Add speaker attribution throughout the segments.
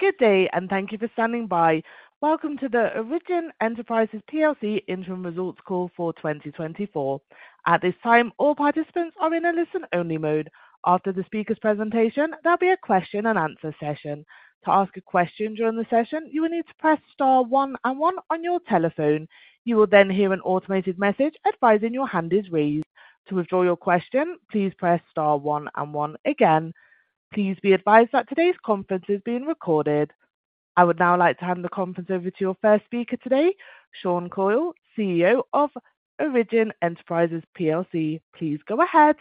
Speaker 1: Good day, and thank you for standing by. Welcome to the Origin Enterprises plc interim results call for 2024. At this time, all participants are in a listen-only mode. After the speaker's presentation, there'll be a question-and-answer session. To ask a question during the session, you will need to press star 1 and 1 on your telephone. You will then hear an automated message advising your hand is raised. To withdraw your question, please press star 1 and 1 again. Please be advised that today's conference is being recorded. I would now like to hand the conference over to your first speaker today, Sean Coyle, CEO of Origin Enterprises plc. Please go ahead.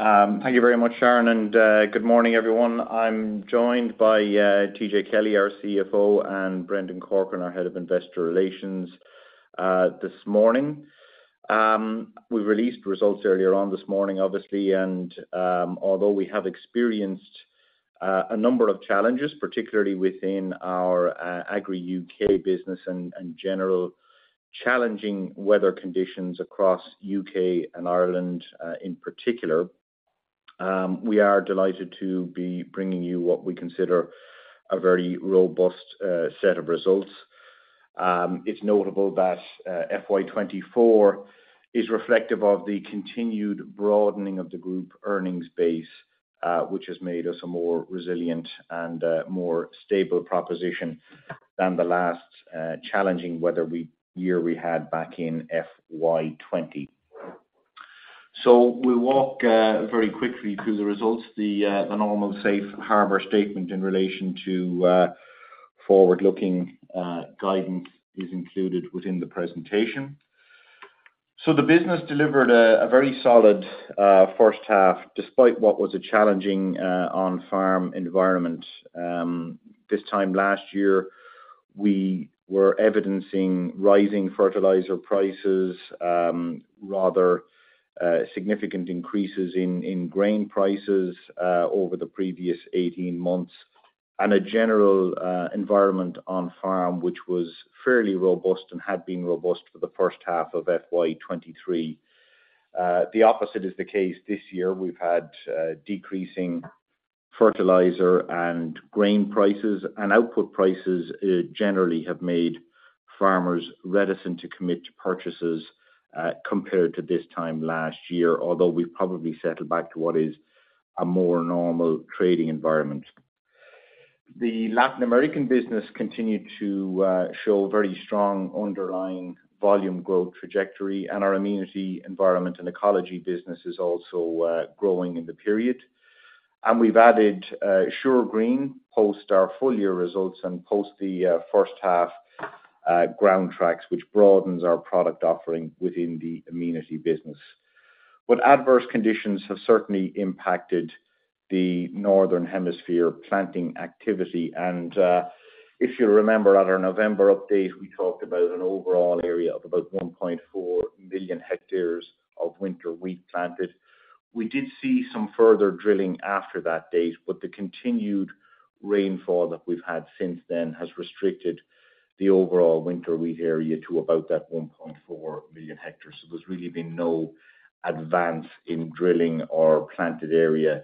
Speaker 2: Thank you very much, Sharon, and good morning, everyone. I'm joined by T.J. Kelly, our CFO, and Brendan Corcoran, our head of investor relations, this morning. We released results earlier on this morning, obviously, and although we have experienced a number of challenges, particularly within our Agri-UK business and general challenging weather conditions across UK and Ireland, in particular, we are delighted to be bringing you what we consider a very robust set of results. It's notable that FY 2024 is reflective of the continued broadening of the group earnings base, which has made us a more resilient and more stable proposition than the last challenging weather year we had back in FY 2020. So we'll walk very quickly through the results. The normal safe harbor statement in relation to forward-looking guidance is included within the presentation. So the business delivered a very solid first half despite what was a challenging on-farm environment. This time last year, we were evidencing rising fertilizer prices, rather significant increases in grain prices over the previous 18 months, and a general environment on-farm which was fairly robust and had been robust for the first half of FY23. The opposite is the case this year. We've had decreasing fertilizer and grain prices, and output prices generally have made farmers reticent to commit to purchases, compared to this time last year, although we've probably settled back to what is a more normal trading environment. The Latin American business continued to show very strong underlying volume growth trajectory, and our amenity environment and ecology business is also growing in the period. We've added SureGreen post our full-year results and post the first half Groundtracks, which broadens our product offering within the amenity business. But adverse conditions have certainly impacted the northern hemisphere planting activity, and if you'll remember, at our November update, we talked about an overall area of about 1.4 million hectares of winter wheat planted. We did see some further drilling after that date, but the continued rainfall that we've had since then has restricted the overall winter wheat area to about that 1.4 million hectares. So there's really been no advance in drilling our planted area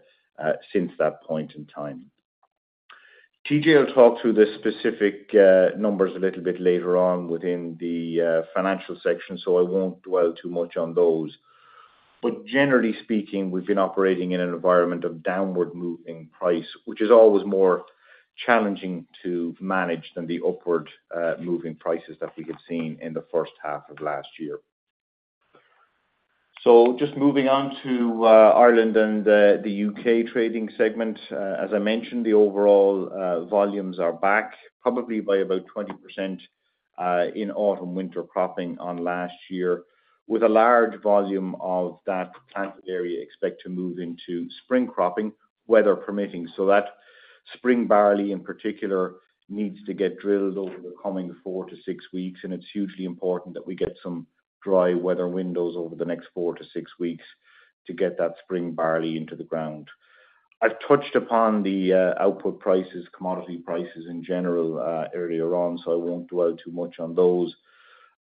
Speaker 2: since that point in time. TJ will talk through the specific numbers a little bit later on within the financial section, so I won't dwell too much on those. But generally speaking, we've been operating in an environment of downward-moving price, which is always more challenging to manage than the upward, moving prices that we have seen in the first half of last year. So just moving on to Ireland and the UK trading segment. As I mentioned, the overall volumes are back, probably by about 20%, in autumn-winter cropping on last year, with a large volume of that planted area expected to move into spring cropping, weather permitting. So that spring barley, in particular, needs to get drilled over the coming 4-6 weeks, and it's hugely important that we get some dry weather windows over the next 4-6 weeks to get that spring barley into the ground. I've touched upon the output prices, commodity prices in general, earlier on, so I won't dwell too much on those.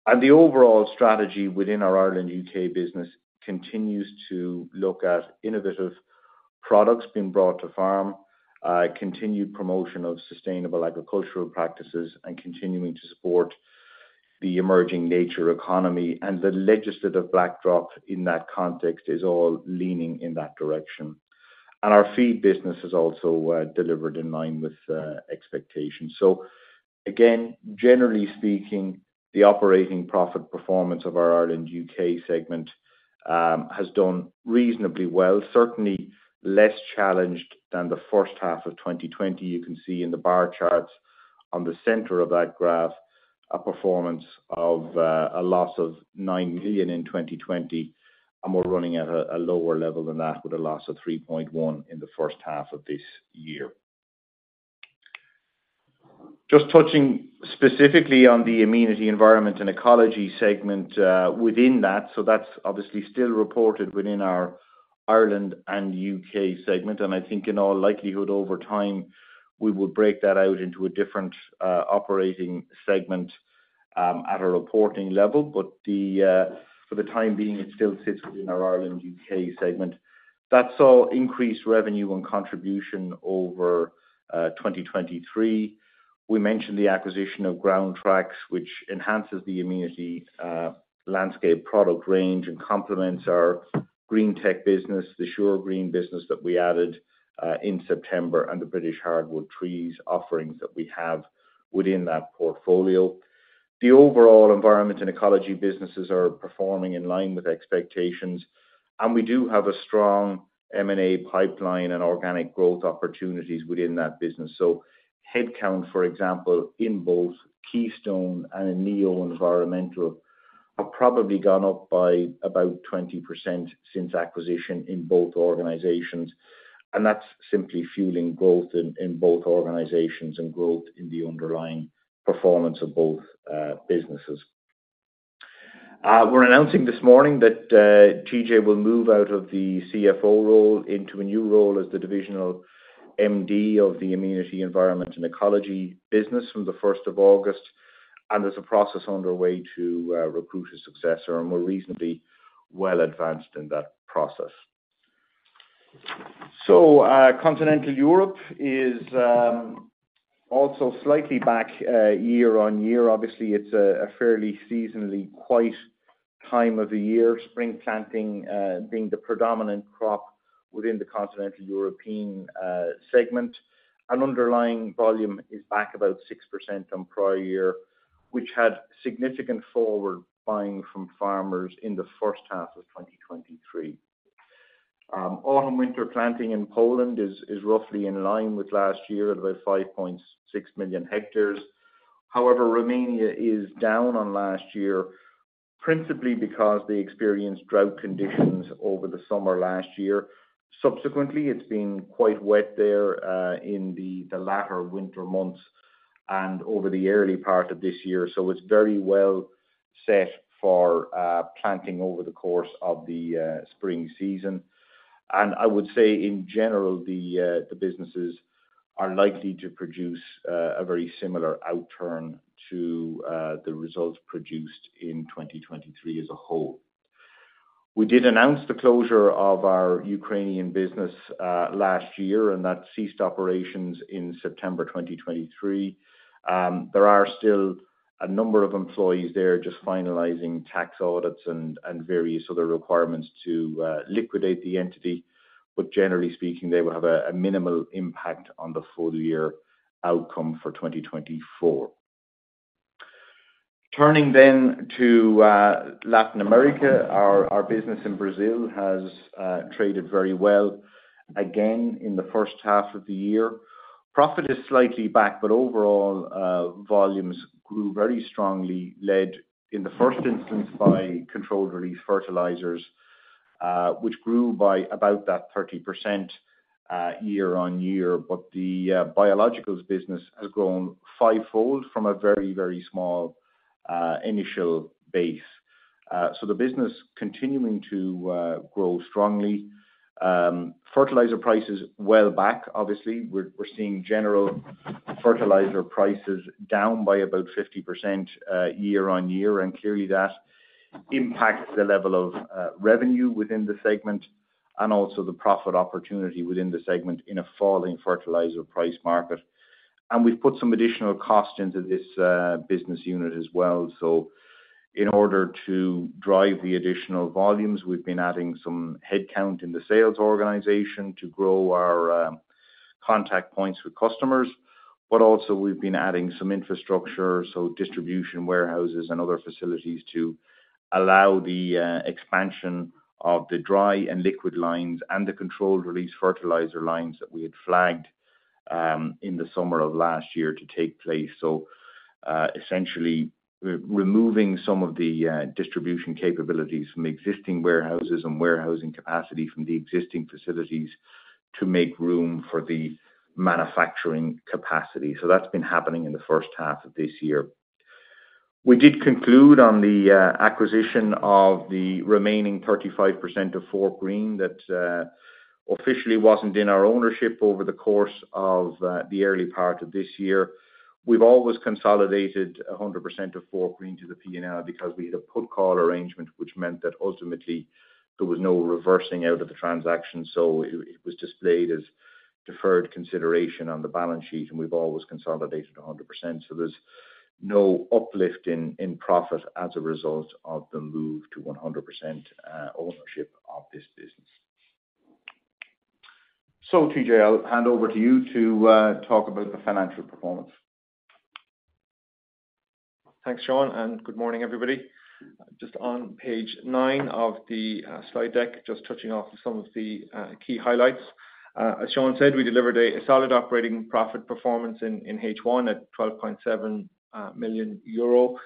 Speaker 2: The overall strategy within our Ireland-UK business continues to look at innovative products being brought to farm, continued promotion of sustainable agricultural practices, and continuing to support the emerging nature economy. The legislative backdrop in that context is all leaning in that direction. Our feed business has also delivered in line with expectations. So again, generally speaking, the operating profit performance of our Ireland-UK segment has done reasonably well, certainly less challenged than the first half of 2020. You can see in the bar charts on the center of that graph a performance of a loss of 9 million in 2020, and we're running at a lower level than that with a loss of 3.1 million in the first half of this year. Just touching specifically on the amenity environment and ecology segment, within that so that's obviously still reported within our Ireland and UK segment, and I think in all likelihood over time we will break that out into a different, operating segment, at a reporting level. But the, for the time being, it still sits within our Ireland-UK segment. That's all increased revenue and contribution over 2023. We mentioned the acquisition of Groundtracks, which enhances the amenity, landscape product range and complements our Green-tech business, the SureGreen business that we added, in September, and the British Hardwood Tree Nursery offerings that we have within that portfolio. The overall environment and ecology businesses are performing in line with expectations, and we do have a strong M&A pipeline and organic growth opportunities within that business. So headcount, for example, in both Keystone and in NEO Environmental have probably gone up by about 20% since acquisition in both organizations, and that's simply fueling growth in both organizations and growth in the underlying performance of both businesses. We're announcing this morning that TJ will move out of the CFO role into a new role as the divisional MD of the amenity environment and ecology business from the 1st of August, and there's a process underway to recruit a successor and we're reasonably well advanced in that process. So Continental Europe is also slightly back year-on-year. Obviously, it's a fairly seasonally quiet time of the year, spring planting being the predominant crop within the Continental European segment. And underlying volume is back about 6% on prior year, which had significant forward buying from farmers in the first half of 2023. Autumn-winter planting in Poland is roughly in line with last year at about 5.6 million hectares. However, Romania is down on last year, principally because they experienced drought conditions over the summer last year. Subsequently, it's been quite wet there in the latter winter months and over the early part of this year, so it's very well set for planting over the course of the spring season. And I would say in general, the businesses are likely to produce a very similar outturn to the results produced in 2023 as a whole. We did announce the closure of our Ukrainian business last year, and that ceased operations in September 2023. There are still a number of employees there just finalising tax audits and various other requirements to liquidate the entity, but generally speaking, they will have a minimal impact on the full-year outcome for 2024. Turning then to Latin America, our business in Brazil has traded very well again in the first half of the year. Profit is slightly back, but overall, volumes grew very strongly, led in the first instance by Controlled-Release Fertilizers, which grew by about that 30%, year-on-year. But the Biologicals business has grown fivefold from a very, very small initial base. So the business continuing to grow strongly. Fertilizer prices well back, obviously. We're seeing general fertilizer prices down by about 50%, year-on-year, and clearly that impacts the level of revenue within the segment and also the profit opportunity within the segment in a falling fertilizer price market. And we've put some additional cost into this business unit as well. So in order to drive the additional volumes, we've been adding some headcount in the sales organization to grow our contact points with customers, but also we've been adding some infrastructure, so distribution warehouses and other facilities to allow the expansion of the dry and liquid lines and the controlled-release fertilizer lines that we had flagged in the summer of last year to take place. So, essentially, we're removing some of the distribution capabilities from existing warehouses and warehousing capacity from the existing facilities to make room for the manufacturing capacity. So that's been happening in the first half of this year. We did conclude on the acquisition of the remaining 35% of Fortgreen that officially wasn't in our ownership over the course of the early part of this year. We've always consolidated 100% of Fortgreen to the P&L because we had a put-call arrangement, which meant that ultimately there was no reversing out of the transaction, so it was displayed as deferred consideration on the balance sheet, and we've always consolidated 100%. So there's no uplift in profit as a result of the move to 100% ownership of this business. So TJ, I'll hand over to you to talk about the financial performance.
Speaker 3: Thanks, Sean, and good morning, everybody. Just on page 9 of the slide deck, just touching off of some of the key highlights. As Sean said, we delivered a solid operating profit performance in H1 at 12.7 million euro.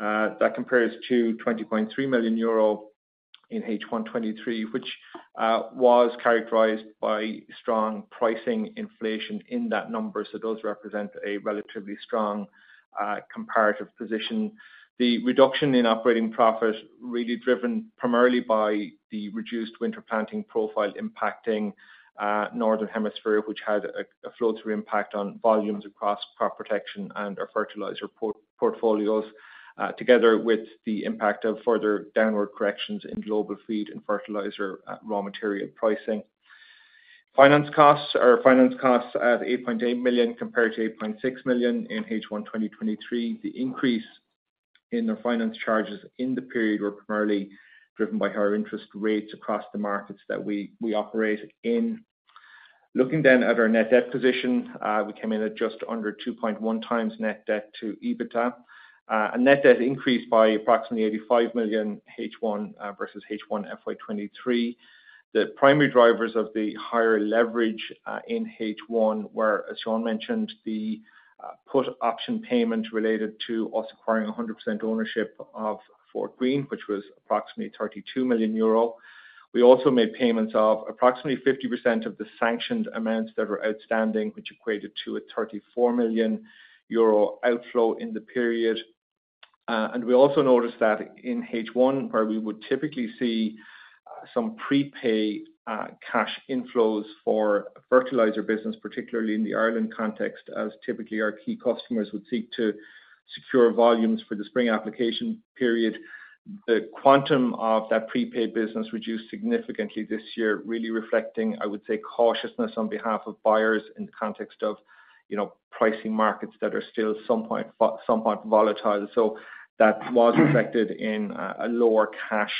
Speaker 3: That compares to 20.3 million euro in H1 2023, which was characterised by strong pricing inflation in that number, so those represent a relatively strong comparative position. The reduction in operating profit really driven primarily by the reduced winter planting profile impacting northern hemisphere, which had a flow-through impact on volumes across crop protection and our fertilizer portfolios, together with the impact of further downward corrections in global feed and fertilizer raw material pricing. Finance costs are finance costs at 8.8 million compared to 8.6 million in H1 2023. The increase in our finance charges in the period were primarily driven by higher interest rates across the markets that we operate in. Looking then at our net debt position, we came in at just under 2.1 times net debt to EBITDA, and net debt increased by approximately 85 million H1, versus H1 FY23. The primary drivers of the higher leverage in H1 were, as Sean mentioned, the put option payment related to us acquiring 100% ownership of Fortgreen, which was approximately 32 million euro. We also made payments of approximately 50% of the sanctioned amounts that were outstanding, which equated to a 34 million euro outflow in the period. We also noticed that in H1, where we would typically see some prepay cash inflows for fertilizer business, particularly in the Ireland context, as typically our key customers would seek to secure volumes for the spring application period, the quantum of that prepay business reduced significantly this year, really reflecting, I would say, cautiousness on behalf of buyers in the context of, you know, pricing markets that are still somewhat volatile. So that was reflected in a lower cash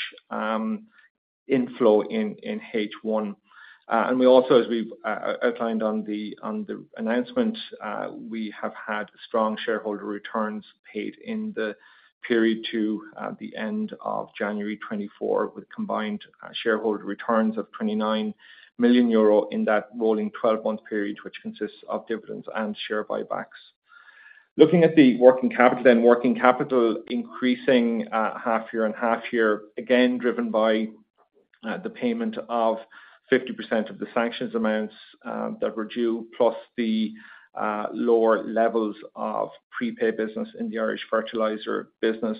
Speaker 3: inflow in H1. we also, as we've outlined on the announcement, we have had strong shareholder returns paid in the period to the end of January 2024 with combined shareholder returns of 29 million euro in that rolling 12-month period, which consists of dividends and share buybacks. Looking at the working capital then, working capital increasing half-year and half-year, again driven by the payment of 50% of the sanctions amounts that were due, plus the lower levels of prepay business in the Irish fertilizer business.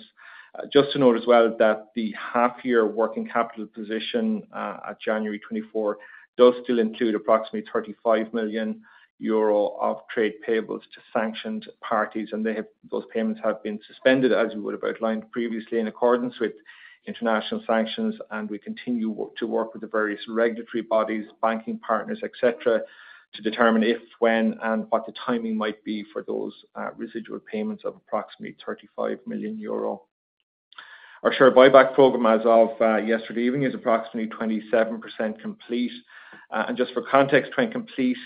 Speaker 3: Just to note as well that the half-year working capital position at January 2024 does still include approximately 35 million euro of trade payables to sanctioned parties, and those payments have been suspended, as we would have outlined previously, in accordance with international sanctions. We continue to work with the various regulatory bodies, banking partners, etc., to determine if, when, and what the timing might be for those residual payments of approximately 35 million euro. Our share buyback program, as of yesterday evening, is approximately 27% complete. Just for context, when complete,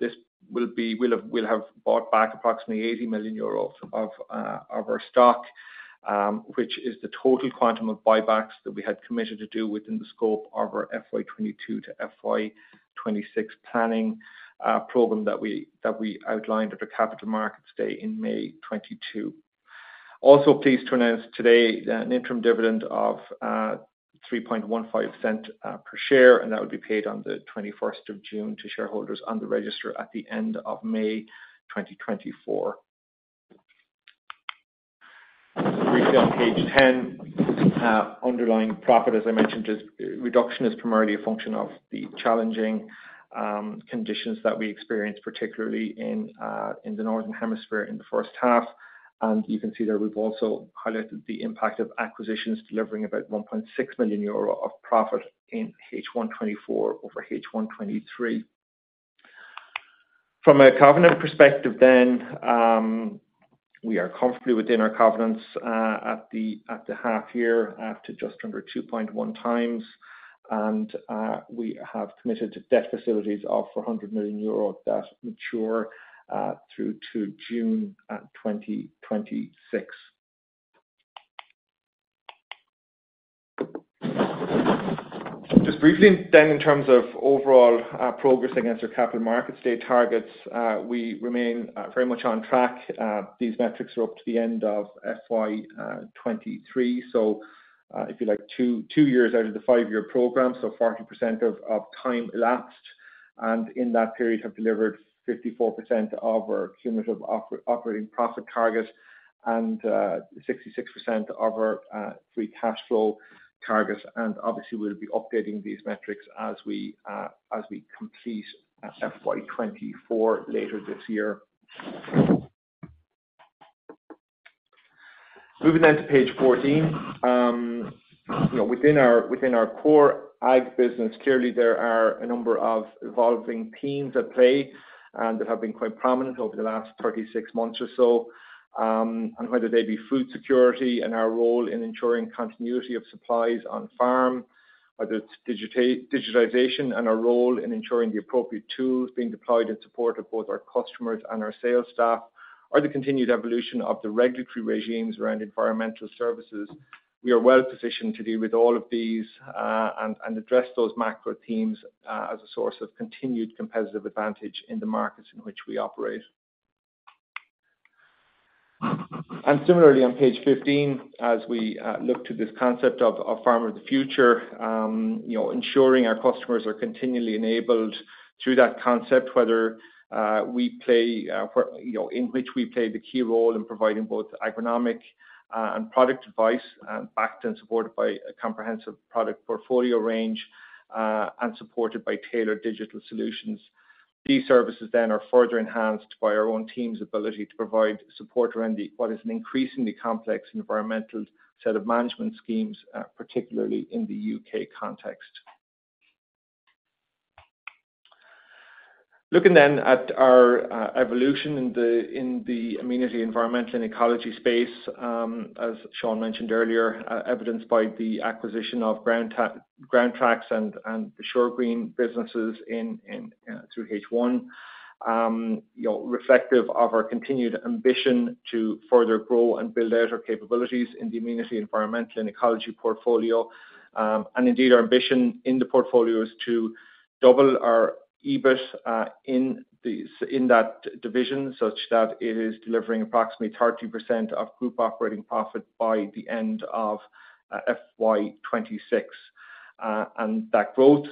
Speaker 3: this will be we'll have bought back approximately 80 million euro of our stock, which is the total quantum of buybacks that we had committed to do within the scope of our FY22 to FY26 planning program that we outlined at our capital markets day in May 2022. Also, pleased to announce today an interim dividend of 0.0315 per share, and that would be paid on the 21st of June to shareholders on the register at the end of May 2024. Briefly on page 10, underlying profit, as I mentioned, is reduction is primarily a function of the challenging conditions that we experienced, particularly in the northern hemisphere in the first half. You can see there we've also highlighted the impact of acquisitions delivering about 1.6 million euro of profit in H1 2024 over H1 2023. From a covenant perspective then, we are comfortably within our covenants, at the half-year at just under 2.1 times, and we have committed debt facilities of 100 million euro that mature through to June 2026. Just briefly then in terms of overall progress against our capital markets day targets, we remain very much on track. These metrics are up to the end of FY 2023, so, if you like, two years out of the five-year program. So 40% of time elapsed, and in that period have delivered 54% of our cumulative operating profit target and 66% of our free cash flow targets. And obviously, we'll be updating these metrics as we complete FY 2024 later this year. Moving then to page 14, you know, within our core ag business, clearly there are a number of evolving themes at play and that have been quite prominent over the last 36 months or so. and whether they be food security and our role in ensuring continuity of supplies on farm, whether it's digitization and our role in ensuring the appropriate tools being deployed in support of both our customers and our sales staff, or the continued evolution of the regulatory regimes around environmental services, we are well positioned to deal with all of these, and address those macro themes, as a source of continued competitive advantage in the markets in which we operate. And similarly, on page 15, as we look to this concept of Farmer of the Future, you know, ensuring our customers are continually enabled through that concept, whether we play, you know, in which we play the key role in providing both agronomic and product advice and backed and supported by a comprehensive product portfolio range, and supported by tailored digital solutions. These services then are further enhanced by our own team's ability to provide support around the, what is an increasingly complex environmental set of management schemes, particularly in the UK context. Looking then at our evolution in the amenity environmental and ecology space, as Sean mentioned earlier, evidenced by the acquisition of Groundtracks and the SureGreen businesses in through H1, you know, reflective of our continued ambition to further grow and build out our capabilities in the amenity environmental and ecology portfolio. And indeed, our ambition in the portfolio is to double our EBIT in that division such that it is delivering approximately 30% of group operating profit by the end of FY 2026. and that growth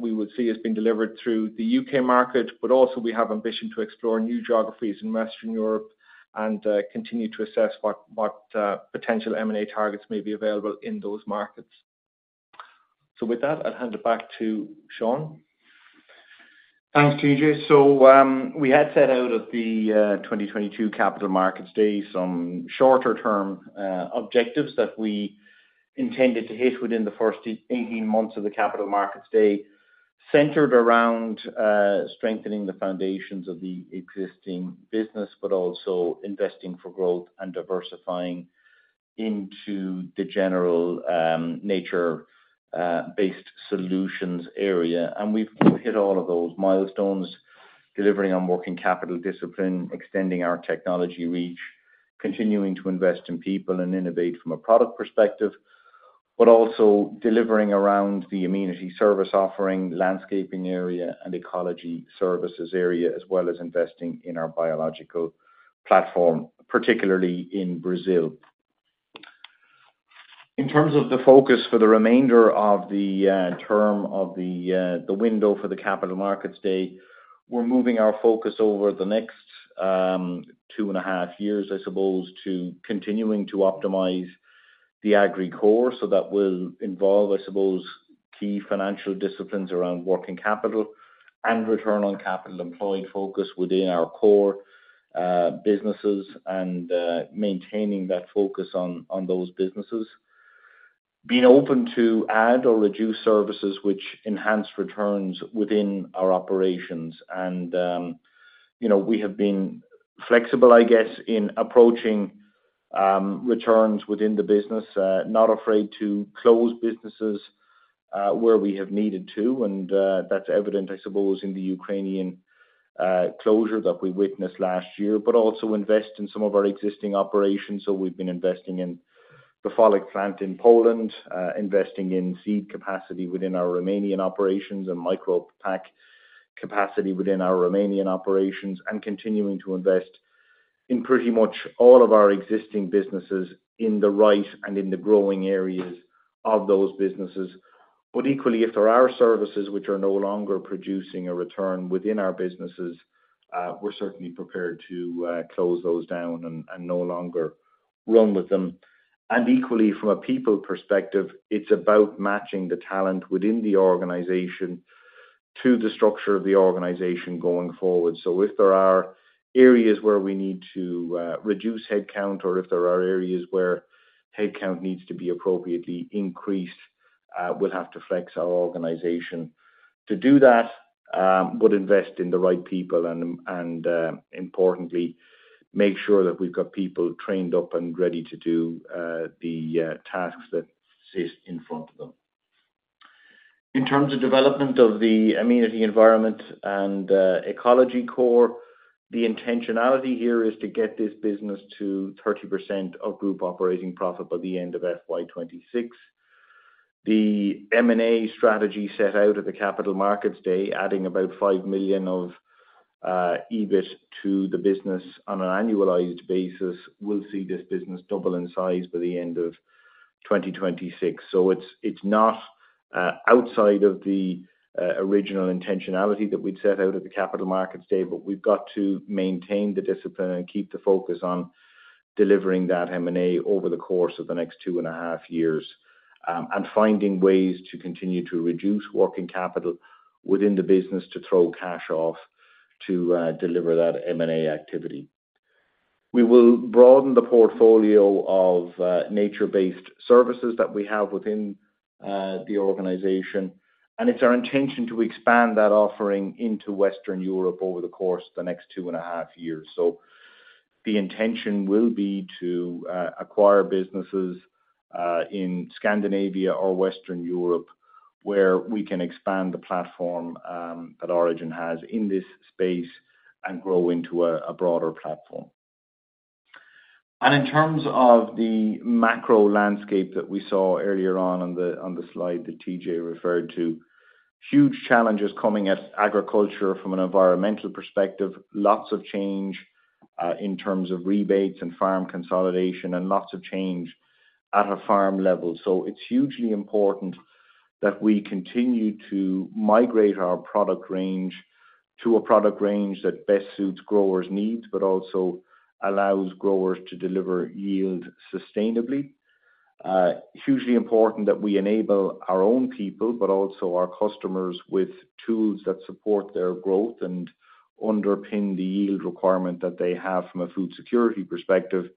Speaker 3: we would see has been delivered through the UK market, but also we have ambition to explore new geographies in Western Europe and continue to assess what potential M&A targets may be available in those markets. So with that, I'll hand it back to Sean.
Speaker 2: Thanks, TJ. So, we had set out at the 2022 Capital Markets Day some shorter-term objectives that we intended to hit within the first 18 months of the Capital Markets Day centered around strengthening the foundations of the existing business, but also investing for growth and diversifying into the general nature-based solutions area. And we've hit all of those milestones delivering on working capital discipline, extending our technology reach, continuing to invest in people and innovate from a product perspective, but also delivering around the amenity service offering landscaping area and ecology services area as well as investing in our biological platform, particularly in Brazil. In terms of the focus for the remainder of the term of the window for the Capital Markets Day, we're moving our focus over the next two and a half years, I suppose, to continuing to optimize the agri-core. So that will involve, I suppose, key financial disciplines around working capital and return on capital employed focus within our core businesses and maintaining that focus on those businesses. Being open to add or reduce services which enhance returns within our operations. You know, we have been flexible, I guess, in approaching returns within the business, not afraid to close businesses where we have needed to. That's evident, I suppose, in the Ukrainian closure that we witnessed last year, but also invest in some of our existing operations. So we've been investing in the Baltic plant in Poland, investing in seed capacity within our Romanian operations and micro-pack capacity within our Romanian operations, and continuing to invest in pretty much all of our existing businesses in Ireland and in the growing areas of those businesses. But equally, if there are services which are no longer producing a return within our businesses, we're certainly prepared to close those down and no longer run with them. And equally, from a people perspective, it's about matching the talent within the organization to the structure of the organization going forward. So if there are areas where we need to reduce headcount or if there are areas where headcount needs to be appropriately increased, we'll have to flex our organization to do that, but invest in the right people and, importantly, make sure that we've got people trained up and ready to do the tasks that sit in front of them. In terms of development of the amenity environment and ecology core, the intentionality here is to get this business to 30% of group operating profit by the end of FY26. The M&A strategy set out at the Capital Markets Day, adding about 5 million of EBIT to the business on an annualized basis, will see this business double in size by the end of 2026. So it's not outside of the original intentionality that we'd set out at the Capital Markets Day, but we've got to maintain the discipline and keep the focus on delivering that M&A over the course of the next 2.5 years, and finding ways to continue to reduce working capital within the business to throw cash off to deliver that M&A activity. We will broaden the portfolio of nature-based services that we have within the organization, and it's our intention to expand that offering into Western Europe over the course of the next 2.5 years. So the intention will be to acquire businesses in Scandinavia or Western Europe where we can expand the platform that Origin has in this space and grow into a broader platform. In terms of the macro landscape that we saw earlier on the slide that TJ referred to, huge challenges coming at agriculture from an environmental perspective, lots of change, in terms of rebates and farm consolidation, and lots of change at a farm level. So it's hugely important that we continue to migrate our product range to a product range that best suits growers' needs, but also allows growers to deliver yield sustainably. Hugely important that we enable our own people, but also our customers with tools that support their growth and underpin the yield requirement that they have from a food security perspective.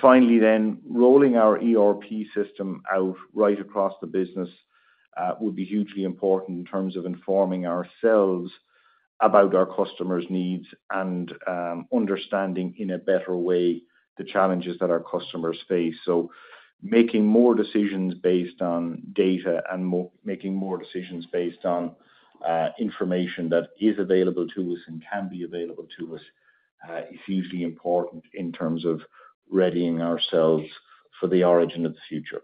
Speaker 2: Finally then, rolling our ERP system out right across the business would be hugely important in terms of informing ourselves about our customers' needs and understanding in a better way the challenges that our customers face. So making more decisions based on data and information that is available to us and can be available to us is hugely important in terms of readying ourselves for the Origin of the future.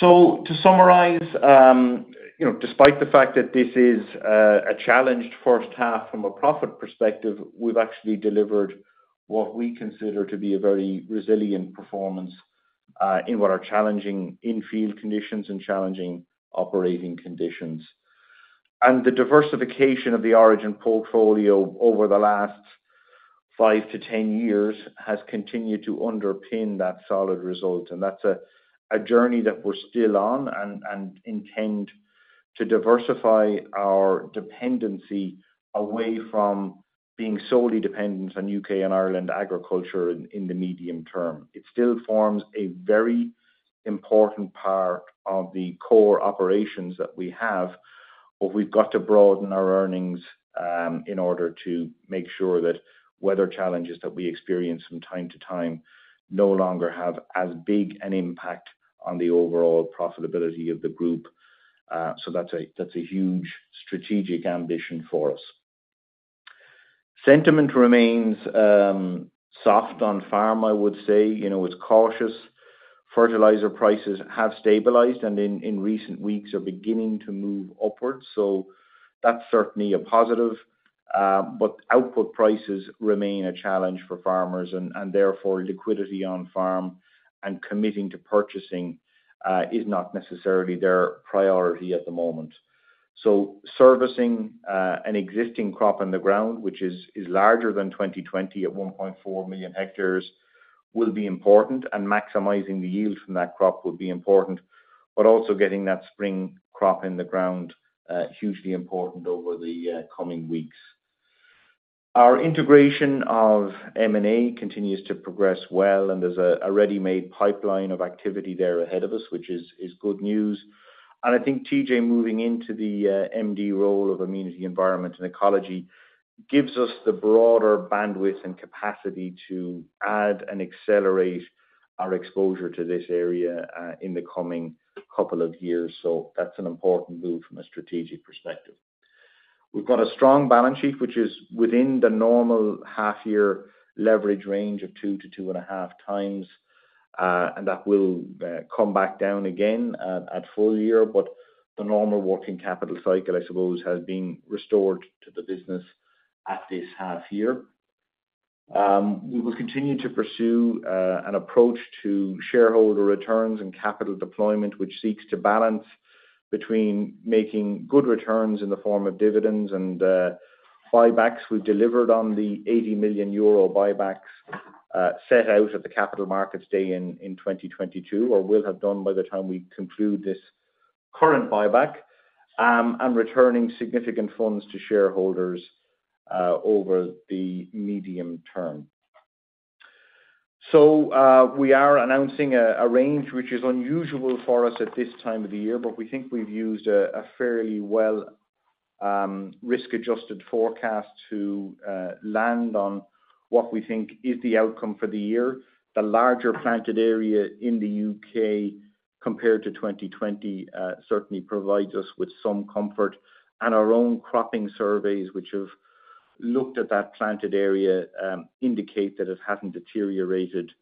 Speaker 2: So to summarise, you know, despite the fact that this is a challenged first half from a profit perspective, we've actually delivered what we consider to be a very resilient performance in what are challenging in-field conditions and challenging operating conditions. And the diversification of the Origin portfolio over the last 5-10 years has continued to underpin that solid result. And that's a journey that we're still on and intend to diversify our dependency away from being solely dependent on UK and Ireland agriculture in the medium term. It still forms a very important part of the core operations that we have, but we've got to broaden our earnings, in order to make sure that weather challenges that we experience from time to time no longer have as big an impact on the overall profitability of the group. So that's a huge strategic ambition for us. Sentiment remains soft on farm, I would say. You know, it's cautious. Fertilizer prices have stabilized and in recent weeks are beginning to move upwards. So that's certainly a positive. But output prices remain a challenge for farmers and therefore liquidity on farm and committing to purchasing is not necessarily their priority at the moment. So servicing an existing crop in the ground, which is larger than 2020 at 1.4 million hectares, will be important, and maximizing the yield from that crop will be important, but also getting that spring crop in the ground, hugely important over the coming weeks. Our integration of M&A continues to progress well, and there's a ready-made pipeline of activity there ahead of us, which is good news. I think TJ moving into the MD role of amenity environment and ecology gives us the broader bandwidth and capacity to add and accelerate our exposure to this area, in the coming couple of years. So that's an important move from a strategic perspective. We've got a strong balance sheet, which is within the normal half-year leverage range of 2-2.5 times, and that will come back down again at full year. But the normal working capital cycle, I suppose, has been restored to the business at this half-year. We will continue to pursue an approach to shareholder returns and capital deployment, which seeks to balance between making good returns in the form of dividends and buybacks. We've delivered on the 80 million euro buybacks, set out at the Capital Markets Day in 2022 or will have done by the time we conclude this current buyback, and returning significant funds to shareholders over the medium term. So, we are announcing a range which is unusual for us at this time of the year, but we think we've used a fairly well risk-adjusted forecast to land on what we think is the outcome for the year. The larger planted area in the U.K. compared to 2020 certainly provides us with some comfort. And our own cropping surveys, which have looked at that planted area, indicate that it hasn't deteriorated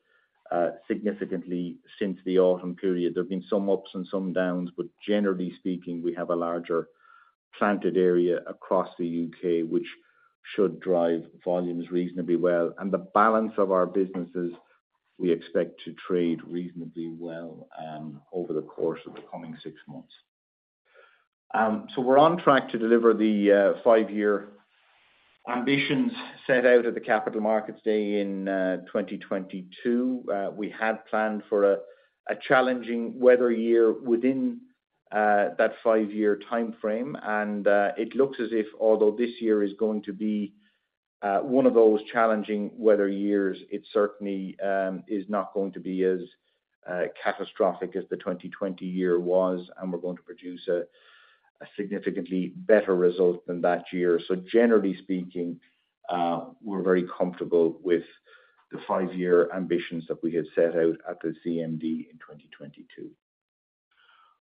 Speaker 2: significantly since the autumn period. There've been some ups and some downs, but generally speaking, we have a larger planted area across the U.K., which should drive volumes reasonably well. And the balance of our businesses, we expect to trade reasonably well over the course of the coming six months. So we're on track to deliver the five-year ambitions set out at the Capital Markets Day in 2022. We had planned for a challenging weather year within that five-year timeframe. And it looks as if although this year is going to be one of those challenging weather years, it certainly is not going to be as catastrophic as the 2020 year was, and we're going to produce a significantly better result than that year. So generally speaking, we're very comfortable with the five-year ambitions that we had set out at the CMD in 2022.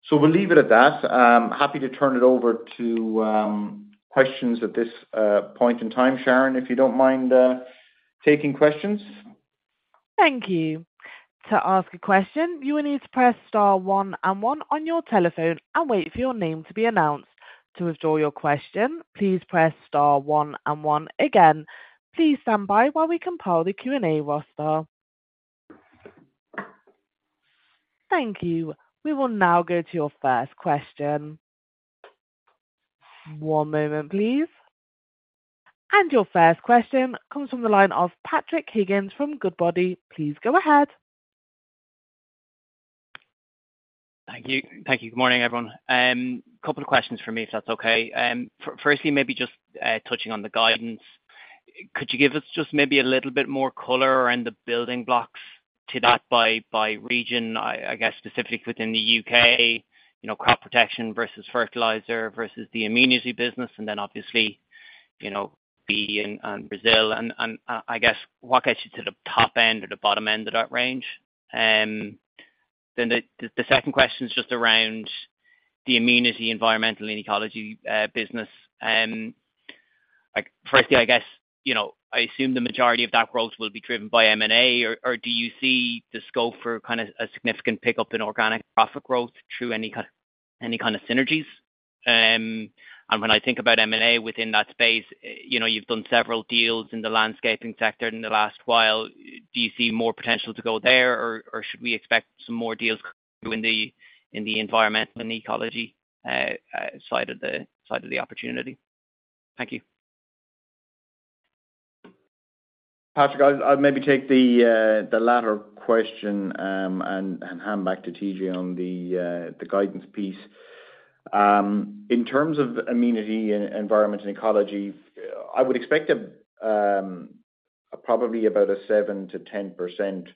Speaker 2: So we'll leave it at that. Happy to turn it over to questions at this point in time, Sharon, if you don't mind, taking questions.
Speaker 1: Thank you. To ask a question, you will need to press star 1 and 1 on your telephone and wait for your name to be announced. To withdraw your question, please press star 1 and 1 again. Please stand by while we compile the Q&A roster. Thank you. We will now go to your first question. One moment, please. And your first question comes from the line of Patrick Higgins from Goodbody. Please go ahead.
Speaker 4: Thank you. Thank you. Good morning, everyone. Couple of questions for me, if that's okay. Firstly, maybe just touching on the guidance. Could you give us just maybe a little bit more color around the building blocks to that by region? I, I guess specifically within the U.K., you know, crop protection versus fertilizer versus the amenity business. And then obviously, you know. Being in Brazil. And, and, I guess what gets you to the top end or the bottom end of that range? Then the second question's just around the amenity environmental and ecology business. Like, firstly, I guess, you know, I assume the majority of that growth will be driven by M&A. Or do you see the scope for kind of a significant pickup in organic profit growth through any kind of synergies? And when I think about M&A within that space, you know, you've done several deals in the landscaping sector in the last while. Do you see more potential to go there, or should we expect some more deals through in the environmental and ecology side of the opportunity? Thank you.
Speaker 2: Patrick, I'll maybe take the latter question, and hand back to TJ on the guidance piece. In terms of amenity and environment and ecology, I would expect a probably about a 7%-10%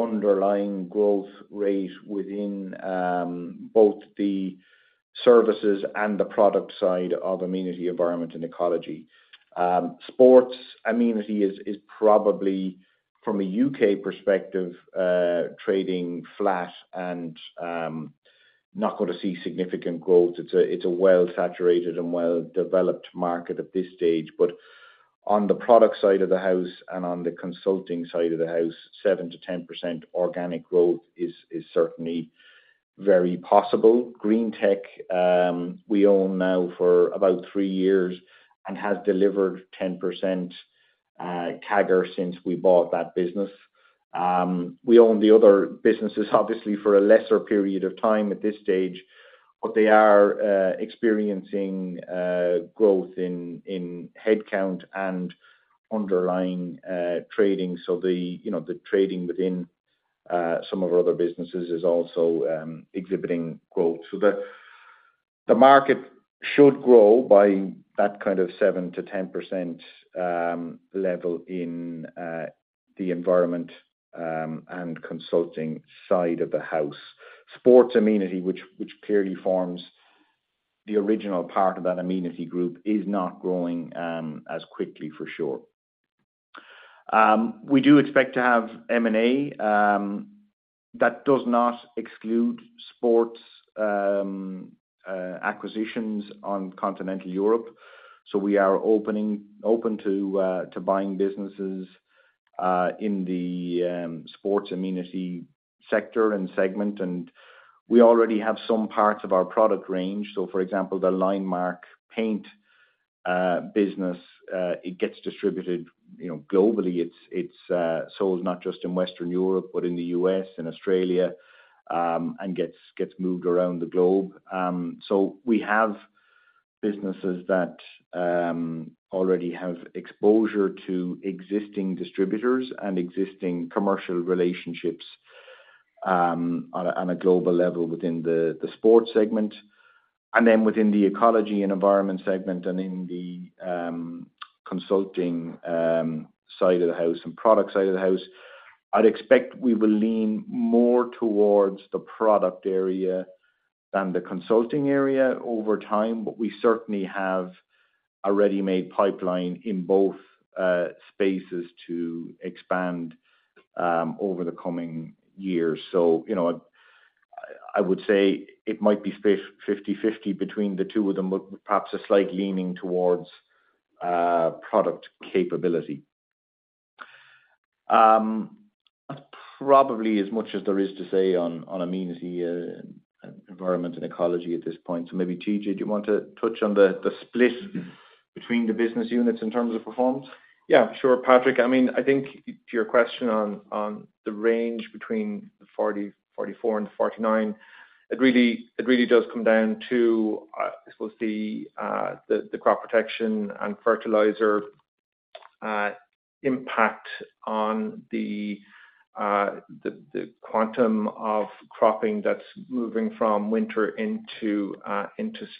Speaker 2: underlying growth rate within both the services and the product side of amenity, environment, and ecology. Sports amenity is probably from a UK perspective, trading flat and not going to see significant growth. It's a well-saturated and well-developed market at this stage. But on the product side of the house and on the consulting side of the house, 7%-10% organic growth is certainly very possible. Green-tech, we own now for about three years and has delivered 10% CAGR since we bought that business. We own the other businesses, obviously, for a lesser period of time at this stage, but they are experiencing growth in headcount and underlying trading. So the you know, the trading within some of our other businesses is also exhibiting growth. So the market should grow by that kind of 7%-10% level in the environment and consulting side of the house. Sports amenity, which clearly forms the integral part of that amenity group, is not growing as quickly for sure. We do expect to have M&A that does not exclude sports acquisitions on Continental Europe. So we are open to buying businesses in the sports amenity sector and segment. And we already have some parts of our product range. So for example, the Landmark Paint business, it gets distributed, you know, globally. It's sold not just in Western Europe, but in the U.S., in Australia, and gets moved around the globe. So we have businesses that already have exposure to existing distributors and existing commercial relationships, on a global level within the sports segment. And then within the ecology and environment segment and in the consulting side of the house and product side of the house, I'd expect we will lean more towards the product area than the consulting area over time. But we certainly have a ready-made pipeline in both spaces to expand over the coming years. So, you know, I would say it might be space 50/50 between the two of them, but perhaps a slight leaning towards product capability. That's probably as much as there is to say on amenity, environment and ecology at this point. So maybe, TJ, do you want to touch on the split between the business units in terms of performance? Yeah, sure, Patrick. I mean, I think to your question on the range between the 40, 44 and the 49, it really does come down to, I suppose, the crop protection and fertilizer impact on the quantum of cropping that's moving from winter into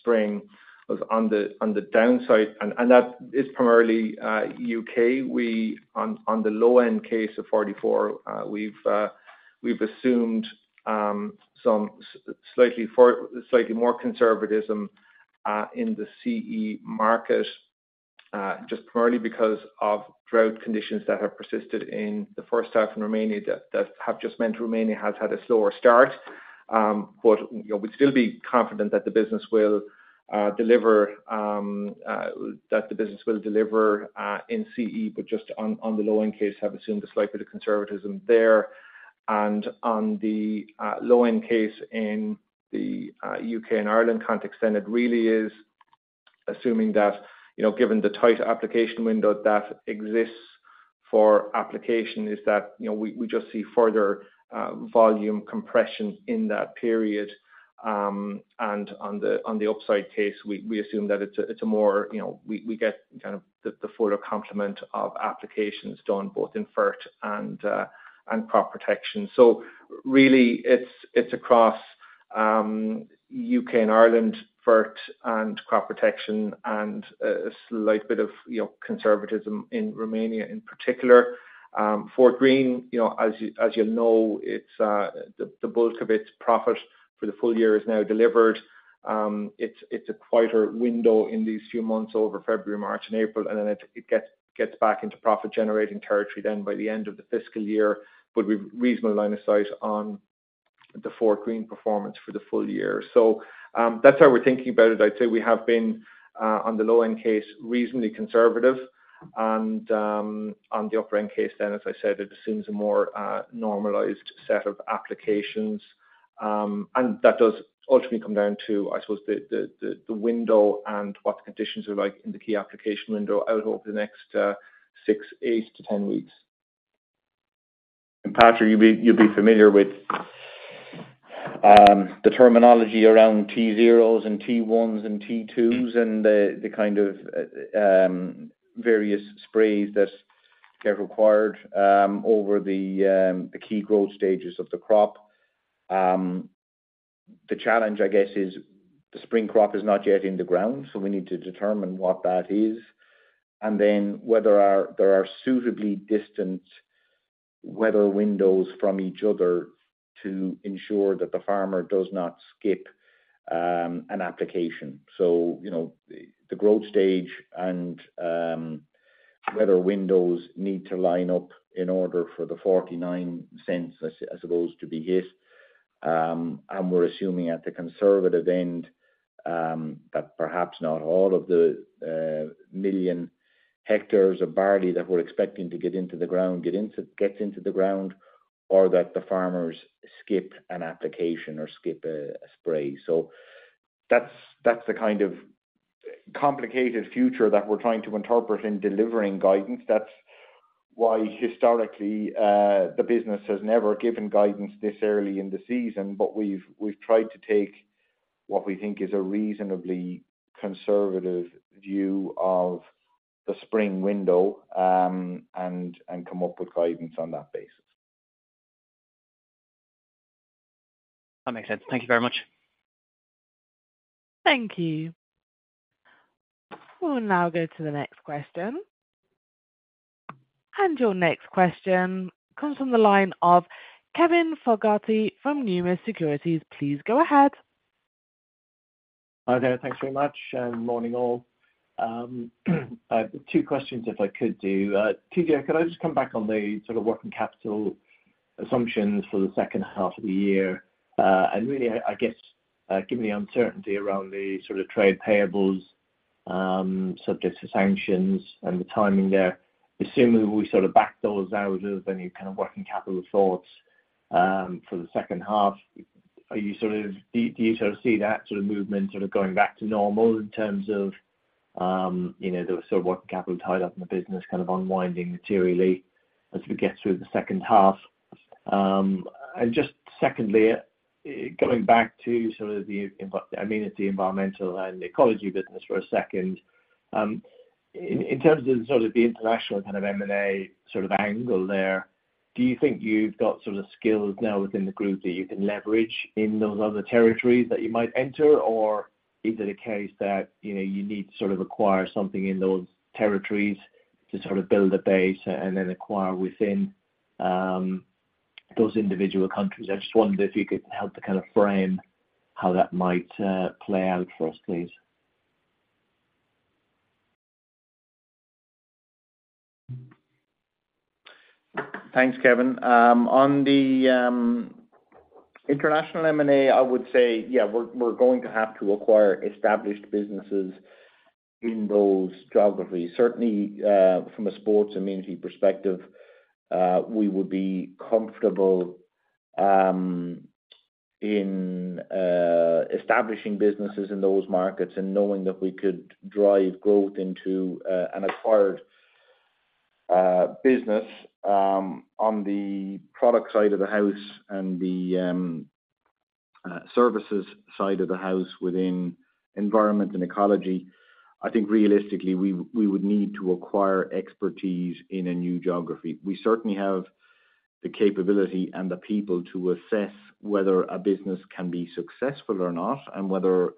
Speaker 2: spring was on the downside. And that is primarily UK. We on the low-end case of 44, we've assumed some slightly more conservatism in the CE market, just primarily because of drought conditions that have persisted in the forest steppe in Romania that have just meant Romania has had a slower start. But, you know, we'd still be confident that the business will deliver, that the business will deliver in CE, but just on the low-end case, have assumed a slight bit of conservatism there. And on the low-end case in the UK and Ireland context, then it really is assuming that, you know, given the tight application window that exists for application, is that, you know, we, we just see further volume compression in that period. And on the upside case, we, we assume that it's a, it's a more, you know we, we get kind of the fuller complement of applications done both in FERT and crop protection. So really, it's across UK and Ireland, FERT and crop protection and a slight bit of, you know, conservatism in Romania in particular. For Fortgreen, you know, as you'll know, it's the bulk of its profit for the full year is now delivered. It's a quieter window in these few months over February, March, and April. Then it gets back into profit-generating territory then by the end of the fiscal year, but with reasonable line of sight on the Fortgreen performance for the full year. So, that's how we're thinking about it. I'd say we have been, on the low-end case, reasonably conservative. On the upper-end case, then, as I said, it assumes a more normalized set of applications. And that does ultimately come down to, I suppose, the window and what the conditions are like in the key application window out over the next 6, 8-10 weeks.
Speaker 3: And Patrick, you'll be familiar with the terminology around T0s and T1s and T2s and the kind of various sprays that get required over the key growth stages of the crop. The challenge, I guess, is the spring crop is not yet in the ground, so we need to determine what that is. And then whether there are suitably distant weather windows from each other to ensure that the farmer does not skip an application. So, you know, the growth stage and weather windows need to line up in order for the 0.49, I suppose, to be hit. And we're assuming at the conservative end, that perhaps not all of the 1 million hectares of barley that we're expecting to get into the ground gets into the ground or that the farmers skip an application or skip a spray. So that's, that's the kind of complicated future that we're trying to interpret in delivering guidance. That's why historically, the business has never given guidance this early in the season. But we've, we've tried to take what we think is a reasonably conservative view of the spring window, and, and come up with guidance on that basis.
Speaker 4: That makes sense. Thank you very much. Thank you. We'll now go to the next question. And your next question comes from the line of Kevin Fogarty from Numis Securities. Please go ahead.
Speaker 5: Hi there. Thanks very much. And morning all. Two questions if I could do. TJ, could I just come back on the sort of working capital assumptions for the second half of the year?
Speaker 2: And really, I guess, given the uncertainty around the sort of trade payables, subject to sanctions and the timing there, assuming we sort of back those out of any kind of working capital thoughts, for the second half, are you sort of, do you sort of see that sort of movement sort of going back to normal in terms of, you know, the sort of working capital tied up in the business kind of unwinding materially as we get through the second half? And just secondly, going back to sort of the amenity environmental and ecology business for a second, iin terms of sort of the international kind of M&A sort of angle there, do you think you've got sort of skills now within the group that you can leverage in those other territories that you might enter? Or is it a case that, you know, you need to sort of acquire something in those territories to sort of build a base and then acquire within those individual countries? I just wondered if you could help to kind of frame how that might play out for us, please. Thanks, Kevin. On the international M&A, I would say, yeah, we're, we're going to have to acquire established businesses in those geographies. Certainly, from a sports amenity perspective, we would be comfortable in establishing businesses in those markets and knowing that we could drive growth into an acquired business. On the product side of the house and the services side of the house within environment and ecology, I think realistically, we, we would need to acquire expertise in a new geography. We certainly have the capability and the people to assess whether a business can be successful or not and whether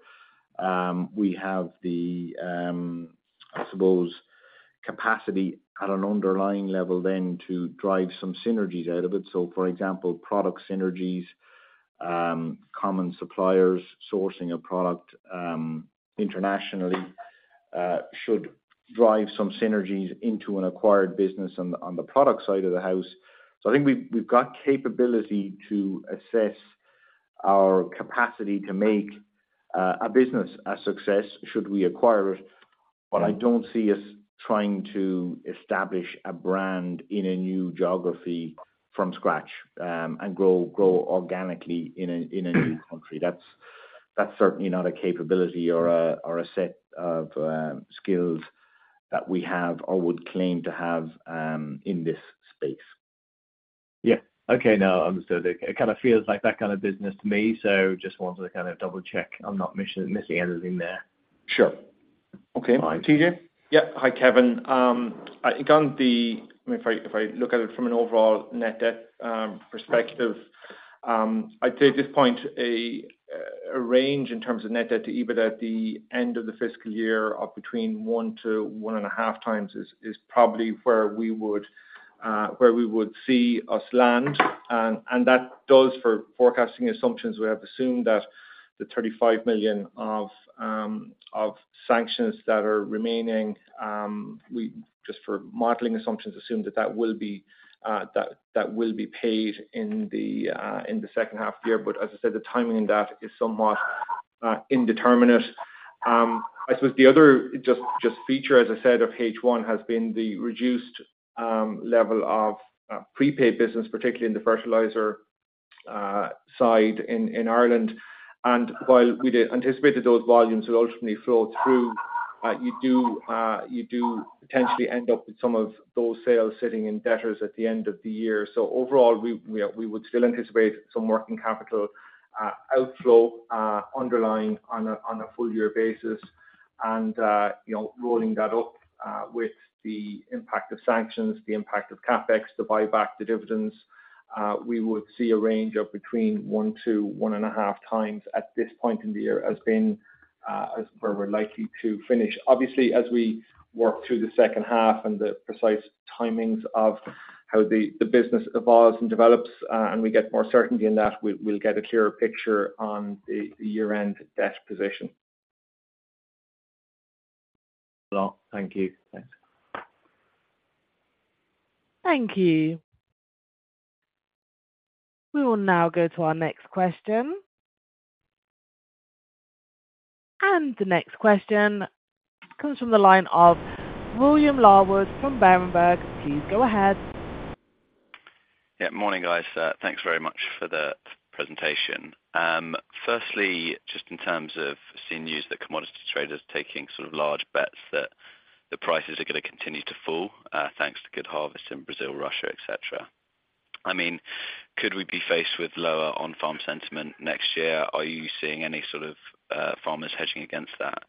Speaker 2: we have the, I suppose, capacity at an underlying level then to drive some synergies out of it. So for example, product synergies, common suppliers sourcing a product internationally, should drive some synergies into an acquired business on the product side of the house. So I think we've got capability to assess our capacity to make a business a success should we acquire it. But I don't see us trying to establish a brand in a new geography from scratch and grow organically in a new country. That's certainly not a capability or a set of skills that we have or would claim to have in this space.
Speaker 5: Yeah. Okay. No, I understood. It kind of feels like that kind of business to me. So just wanted to kind of double-check I'm not missing anything there.
Speaker 2: Sure. Okay. TJ?
Speaker 3: Yeah. Hi, Kevin. Again, I mean, if I look at it from an overall net debt perspective, I'd say at this point a range in terms of net debt to EBITDA at the end of the fiscal year of between 1-1.5 times is probably where we would see us land. And that does for forecasting assumptions. We have assumed that the 35 million of sanctions that are remaining, we just for modeling assumptions assume that that will be paid in the second half of the year. But as I said, the timing in that is somewhat indeterminate. I suppose the other feature, as I said, of H1 has been the reduced level of prepaid business, particularly in the fertilizer side in Ireland. While we did anticipated those volumes would ultimately flow through, you do potentially end up with some of those sales sitting in debtors at the end of the year. So overall, we would still anticipate some working capital outflow underlying on a full-year basis. You know, rolling that up, with the impact of sanctions, the impact of CapEx, the buyback, the dividends, we would see a range of between 1 and 1.5 times at this point in the year as being where we're likely to finish. Obviously, as we work through the second half and the precise timings of how the business evolves and develops, and we get more certainty in that, we'll get a clearer picture on the year-end debt position.
Speaker 5: A lot. Thank you.
Speaker 1: Thank you. We will now go to our next question. The next question comes from the line of William Larwood from Berenberg. Please go ahead.
Speaker 6: Yeah. Morning, guys. Thanks very much for the presentation. Firstly, just in terms of seeing news that commodity traders taking sort of large bets that the prices are going to continue to fall, thanks to good harvests in Brazil, Russia, etc. I mean, could we be faced with lower on-farm sentiment next year? Are you seeing any sort of farmers hedging against that?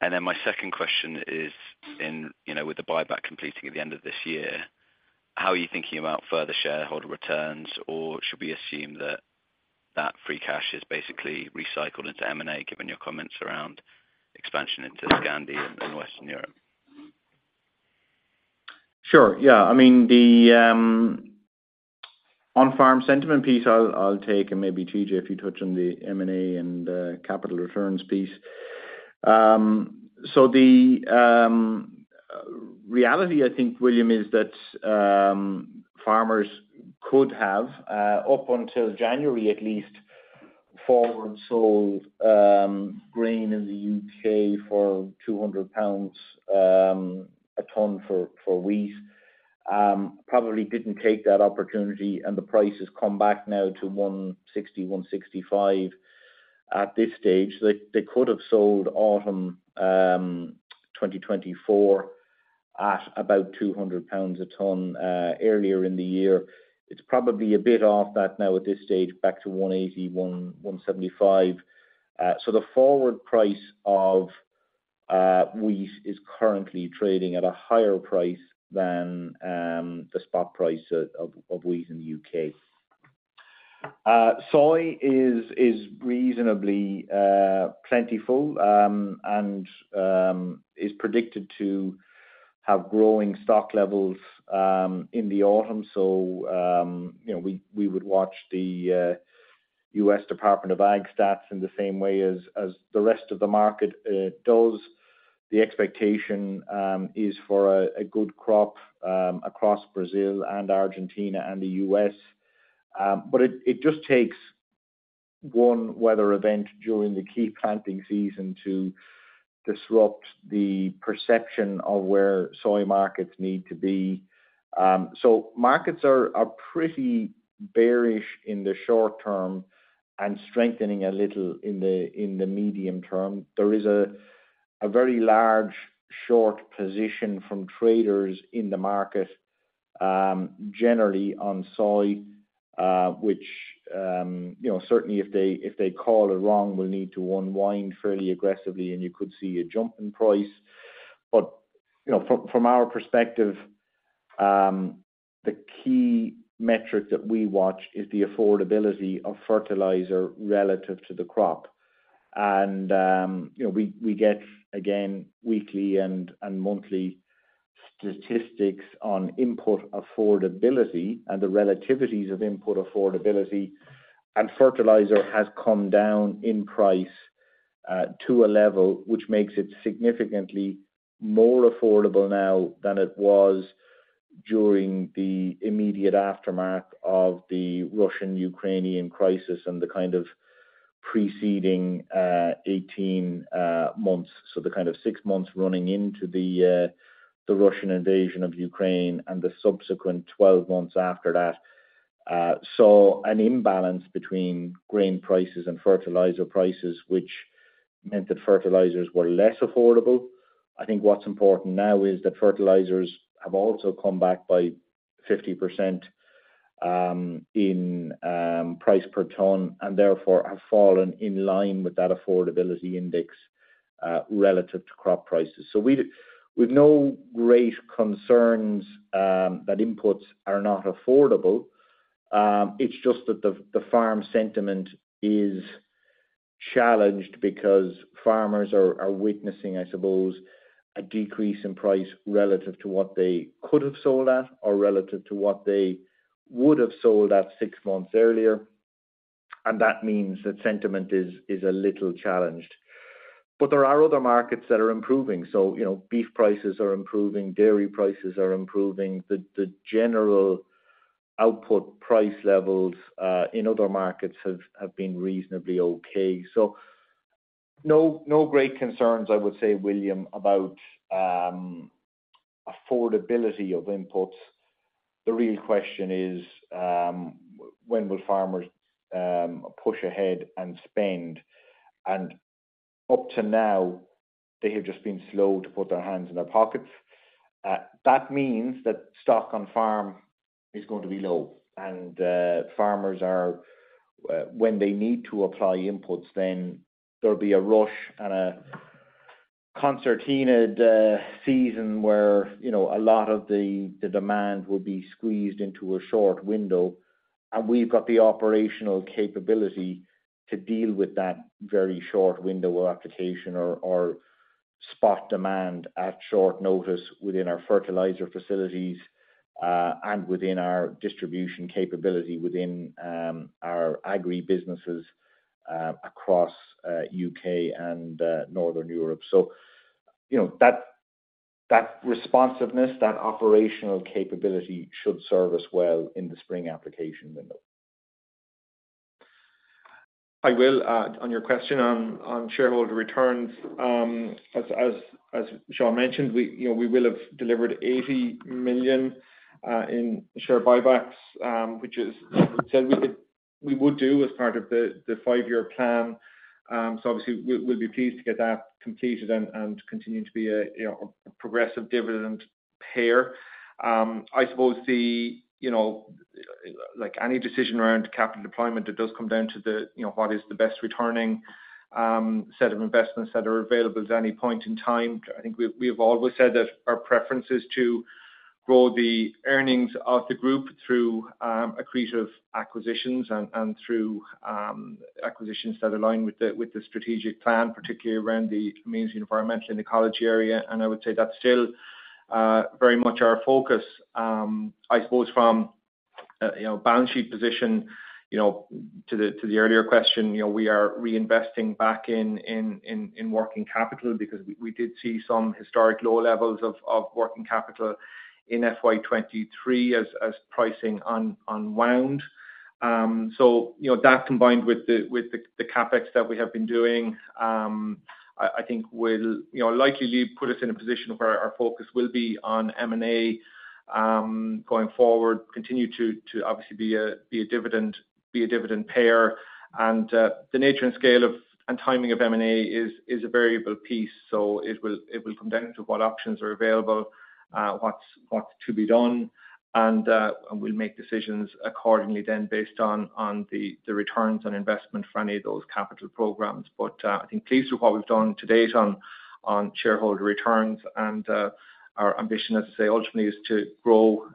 Speaker 6: And then my second question is in, you know, with the buyback completing at the end of this year, how are you thinking about further shareholder returns? Or should we assume that that free cash is basically recycled into M&A given your comments around expansion into Scandinavia and Western Europe?
Speaker 2: Sure. Yeah. I mean, the, on-farm sentiment piece, I'll take and maybe, TJ, if you touch on the M&A and, capital returns piece. So the, reality, I think, William, is that, farmers could have, up until January at least, forward-sold, grain in the UK for 200 pounds a tonne for, for wheat, probably didn't take that opportunity. And the price has come back now to 160-165 at this stage. They, they could have sold autumn 2024 at about 200 pounds a tonne, earlier in the year. It's probably a bit off that now at this stage, back to 175-180. So the forward price of wheat is currently trading at a higher price than the spot price of wheat in the U.K. Soy is reasonably plentiful and is predicted to have growing stock levels in the autumn. So, you know, we would watch the U.S. Department of Ag stats in the same way as the rest of the market does. The expectation is for a good crop across Brazil and Argentina and the U.S. But it just takes one weather event during the key planting season to disrupt the perception of where soy markets need to be. So markets are pretty bearish in the short term and strengthening a little in the medium term. There is a very large short position from traders in the market, generally on soy, which, you know, certainly if they call it wrong, will need to unwind fairly aggressively. And you could see a jump in price. But, you know, from our perspective, the key metric that we watch is the affordability of fertilizer relative to the crop. And, you know, we get, again, weekly and monthly statistics on input affordability and the relativities of input affordability. Fertilizer has come down in price to a level which makes it significantly more affordable now than it was during the immediate aftermath of the Russian-Ukrainian crisis and the kind of preceding 18 months. So the kind of 6 months running into the Russian invasion of Ukraine and the subsequent 12 months after that saw an imbalance between grain prices and fertilizer prices, which meant that fertilizers were less affordable. I think what's important now is that fertilizers have also come back by 50% in price per ton and therefore have fallen in line with that affordability index, relative to crop prices. So we do. We've no great concerns that inputs are not affordable. It's just that the farm sentiment is challenged because farmers are witnessing, I suppose, a decrease in price relative to what they could have sold at or relative to what they would have sold at six months earlier. And that means that sentiment is a little challenged. But there are other markets that are improving. So, you know, beef prices are improving. Dairy prices are improving. The general output price levels in other markets have been reasonably okay. So no great concerns, I would say, William, about affordability of inputs. The real question is, when will farmers push ahead and spend? And up to now, they have just been slow to put their hands in their pockets. That means that stock on farm is going to be low. Farmers are, when they need to apply inputs, then there'll be a rush and a concentrated season where, you know, a lot of the demand will be squeezed into a short window. And we've got the operational capability to deal with that very short window of application or spot demand at short notice within our fertilizer facilities, and within our distribution capability within our agri-businesses across UK and northern Europe. So, you know, that responsiveness, that operational capability should serve us well in the spring application window.
Speaker 7: Hi, Will. On your question on shareholder returns, as Sean mentioned, we, you know, we will have delivered 80 million in share buybacks, which is said we could we would do as part of the five-year plan. So obviously, we'll, we'll be pleased to get that completed and, and continue to be a, you know, a progressive dividend payer. I suppose the, you know, like any decision around capital deployment, it does come down to the, you know, what is the best returning set of investments that are available at any point in time. I think we've, we've always said that our preference is to grow the earnings of the group through accretive acquisitions and, and through acquisitions that align with the with the strategic plan, particularly around the amenity and environmental and ecology area. And I would say that's still very much our focus, I suppose, from a balance sheet position, you know, to the earlier question, you know, we are reinvesting back in working capital because we did see some historic low levels of working capital in FY 2023 as pricing unwound. So, you know, that combined with the CapEx that we have been doing, I think will likely put us in a position where our focus will be on M&A going forward, continue to obviously be a dividend payer. And the nature and scale and timing of M&A is a variable piece. So it will come down to what options are available, what's to be done. And we'll make decisions accordingly then based on the returns on investment from any of those capital programmes. But I think pleased with what we've done to date on shareholder returns. Our ambition, as I say, ultimately is to grow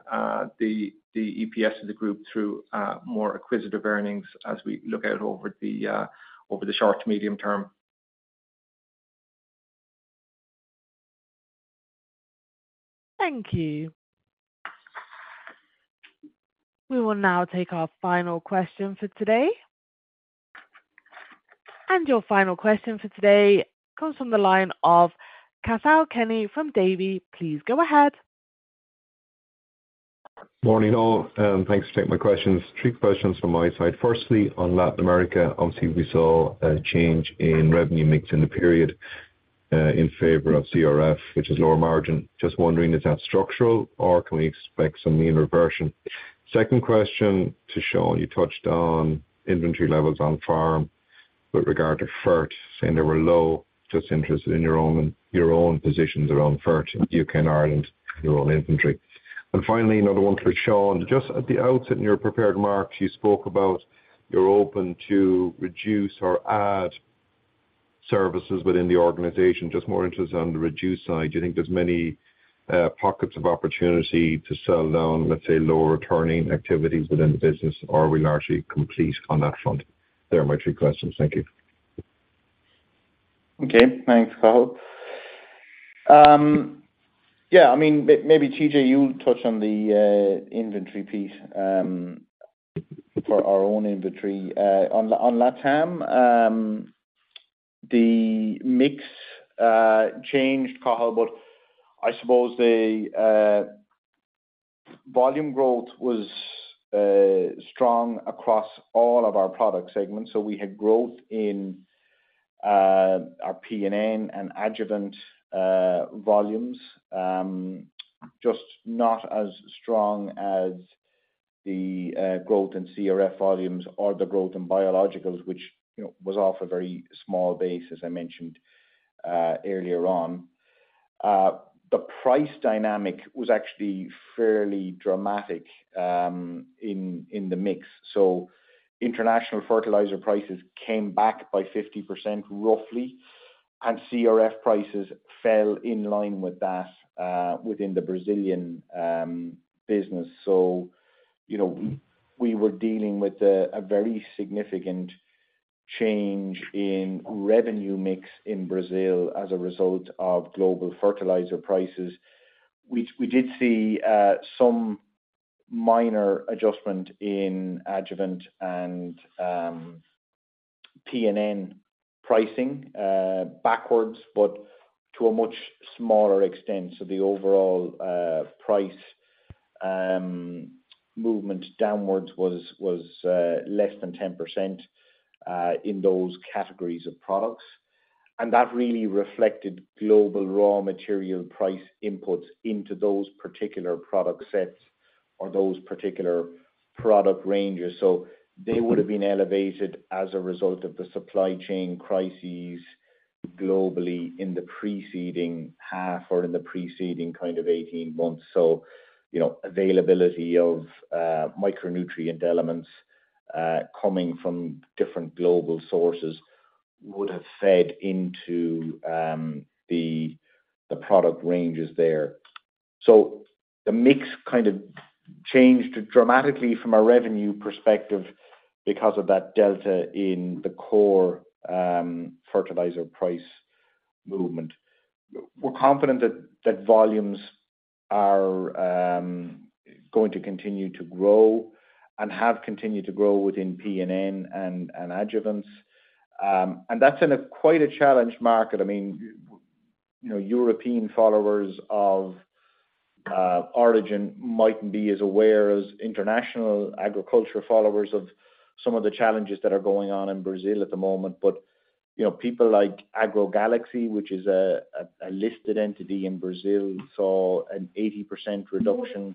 Speaker 7: the EPS of the group through more acquisitive earnings as we look out over the short to medium term.
Speaker 1: Thank you. We will now take our final question for today. Your final question for today comes from the line of Cathal Kenny from Davy. Please go ahead.
Speaker 8: Morning, all. Thanks for taking my questions. Three questions from my side. Firstly, on Latin America, obviously, we saw a change in revenue mix in the period, in favor of CRF, which is lower margin. Just wondering, is that structural or can we expect some mean reversion? Second question to Sean. You touched on inventory levels on farm, but regard to FERT, saying they were low. Just interested in your own positions around FERT in the UK and Ireland, your own inventory. And finally, another one for Sean. Just at the outset in your prepared remarks, you spoke about you're open to reduce or add services within the organization. Just more interested on the reduce side. Do you think there's many pockets of opportunity to sell down, let's say, lower-returning activities within the business, or are we largely complete on that front? They're my three questions. Thank you.
Speaker 2: Okay. Thanks, Carl. Yeah. I mean, maybe, TJ, you'll touch on the inventory piece for our own inventory. On LATAM, the mix changed, Carl, but I suppose the volume growth was strong across all of our product segments. So we had growth in our P&N and adjuvant volumes, just not as strong as the growth in CRF volumes or the growth in biologicals, which, you know, was off a very small base, as I mentioned earlier on. The price dynamic was actually fairly dramatic in the mix. So international fertilizer prices came back by 50% roughly. And CRF prices fell in line with that within the Brazilian business. So, you know, we were dealing with a very significant change in revenue mix in Brazil as a result of global fertilizer prices. We did see some minor adjustment in adjuvant and P&N pricing backward but to a much smaller extent. So the overall price movement downwards was less than 10% in those categories of products. And that really reflected global raw material price inputs into those particular product sets or those particular product ranges. So they would have been elevated as a result of the supply chain crises globally in the preceding half or in the preceding kind of 18 months. So, you know, availability of micronutrient elements, coming from different global sources would have fed into the product ranges there. So the mix kind of changed dramatically from a revenue perspective because of that delta in the core fertilizer price movement. We're confident that volumes are going to continue to grow and have continued to grow within P&N and adjuvants. And that's in a quite a challenged market. I mean, you know, European followers of Origin mightn't be as aware as international agriculture followers of some of the challenges that are going on in Brazil at the moment. But, you know, people like AgroGalaxy, which is a listed entity in Brazil, saw an 80% reduction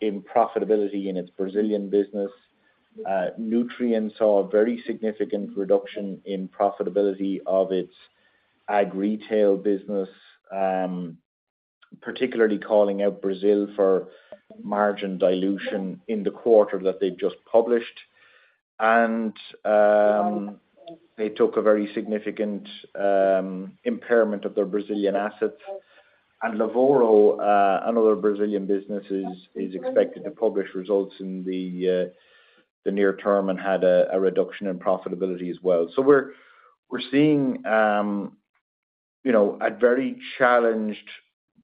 Speaker 2: in profitability in its Brazilian business. Nutrient saw a very significant reduction in profitability of its ag retail business, particularly calling out Brazil for margin dilution in the quarter that they've just published. And, they took a very significant impairment of their Brazilian assets. And Livoro, another Brazilian business, is expected to publish results in the near term and had a reduction in profitability as well. So we're seeing, you know, a very challenged